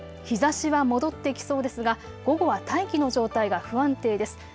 日ざしが戻ってきそうですが、午後は大気の状態が不安定です。